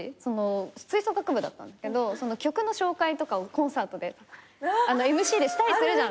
吹奏楽部だったんだけど曲の紹介とかをコンサートでＭＣでしたりするじゃん。